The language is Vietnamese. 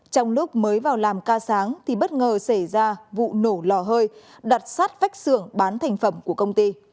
trong lúc mới vào làm ca sáng thì bất ngờ xảy ra vụ nổ lò hơi đặt sát vách xưởng bán thành phẩm của công ty